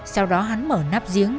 sau đó hắn mở nắp giếng